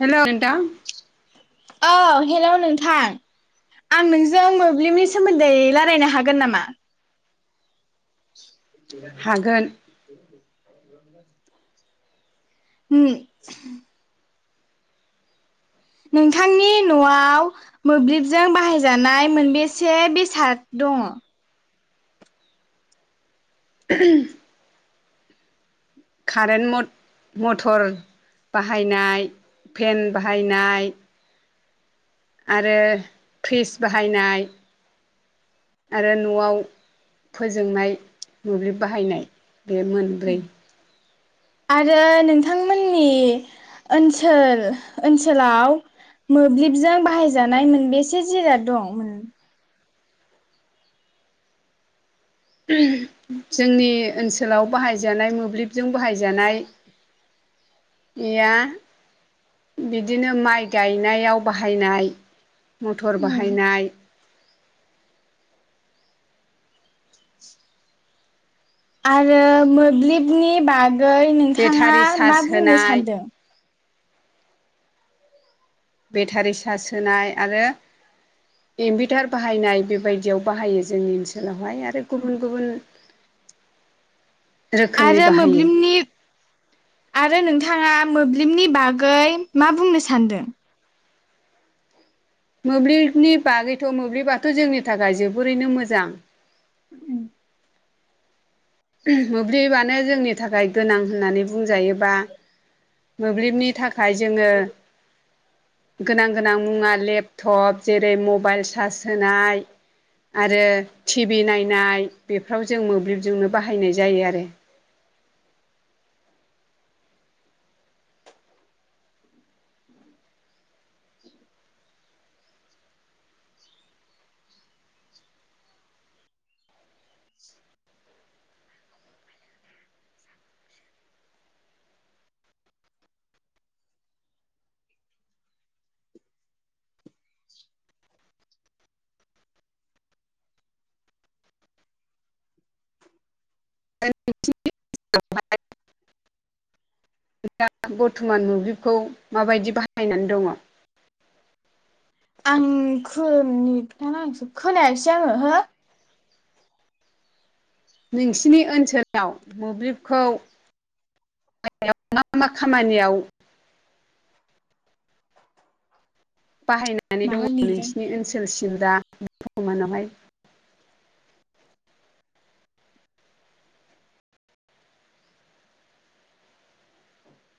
Hello नोंथां औ hello नोंथां आं नोंजों मोब्लिबनि सोमोन्दै रायलायनो हागोन नामा? हागोन उम नोंथांनि न'आव मोब्लिबजों बाहायजानाय मोनबेसे बेसाद दङ'? [unintelligible] कारेन्ट मथर बाहायनाय फेन बाहायनाय आरो फ्रिस बाहायनाय आरो न'आव फोजोंनाय मोब्लिब बाहायनाय बे मोनब्रै। आरो नोंथांमोननि ओनसोल ओनसोलाव मोब्लिबजों बाहायजानाय मोनबेसे जिराद दं जोंनि ओनसोलाव बाहायजानाय मोब्लिबजों बाहायजानाय गैया बिदिनो माइ गायनायाव बाहायनाय मथर उम बाहायनाय आरो मोब्लिबनि बागै नोंथांङा बेटारि चार्ज मा बुंनो होनाय सानदों बेटारि चार्ज होनाय आरो इनभारटार बाहायनाय बेबायदियाव बाहायो जोंनि ओनसोलावहाय आरो गुबुन गुबुन रोखोमनि आरो बाहायो मोब्लिबनि आरो नोंथांङा मोब्लिबनि बागै मा बुंनो सानदों मोब्लिबनि बागैथ' मोब्लिबाथ' जोंनि थाखाय जोबोरैनो मोजां [inaudible] मोब्लिबबानो जोंनि थाखाय गोनां होननानै बुंजायोबा मोब्लिबनि थाखाय जोंङो गोनां गोनां मुंङा लेपटप जेरै मबाइल चार्ज होनाय आरो टिभि नायनाय बेफ्राव जों मोब्लिबजोंनो बाहायनाय जायो आरो [unintelligible] दा बर्थमान मोब्लिबखौ माबायदि बाहायनानै दंङो [unintelligible] खोनायासै आंङो हो नोंसिनि ओनसोलाव मोब्लिबखौ मा मा खामानियाव बाहायनानै माबा दंङो नेदानो नोंसिनि ओनसोलसिम दा बरथमानावहाय